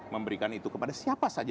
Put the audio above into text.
memberikan itu kepada siapa saja